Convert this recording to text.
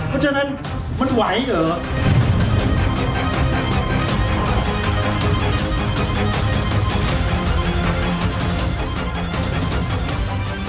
เพราะฉะนั้นมันไหวเหรอ